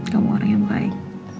kamu orang yang baik